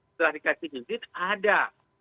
setelah dikasih izin ada